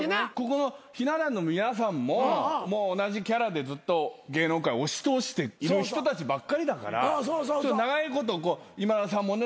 ここのひな壇の皆さんも同じキャラでずっと芸能界押し通している人たちばっかりだから長いこと今田さんもね